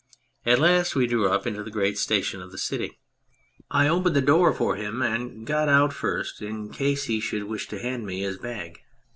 At last we drew up into the great station of the city. I opened the door for him and got out first in case he should wish to hand me his bag.